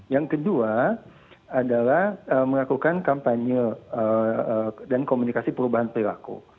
yang kedua adalah melakukan kampanye dan komunikasi perubahan perilaku